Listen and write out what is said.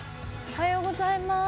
おはようございます。